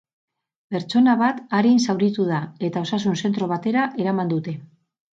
Pertsona bat arin zauritu da, eta osasun zentro batera eraman dute.